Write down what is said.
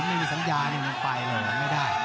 ไม่มีสัญญานี่มันไปเลยไม่ได้